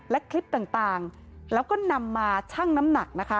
และคลิปต่างแล้วก็นำมาชั่งน้ำหนักนะคะ